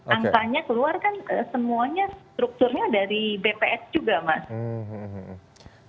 angkanya keluar kan semuanya strukturnya dari bps juga mas